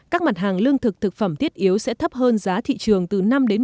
các mặt hàng lương thực thực phẩm thiết yếu sẽ thấp hơn giá thị trường từ năm một mươi